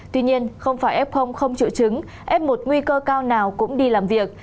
tuy nhiên không phải f không triệu chứng f một nguy cơ cao nào cũng đi làm việc